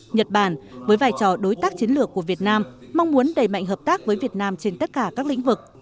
nhật bản với vai trò đối tác chiến lược của việt nam mong muốn đẩy mạnh hợp tác với việt nam trên tất cả các lĩnh vực